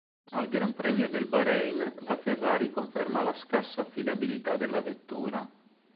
Al Gran Premio del Bahrein, la Ferrari conferma la scarsa affidabilità della vettura.